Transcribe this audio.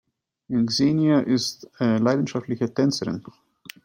Xenia ist leidenschaftliche Tänzerin.